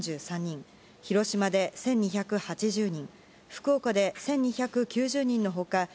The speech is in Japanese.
広島で１２８０人福岡で１２９０人の他